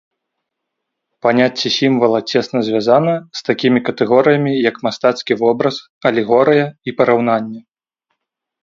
Паняцце сімвала цесна звязана з такімі катэгорыямі як мастацкі вобраз, алегорыя і параўнанне.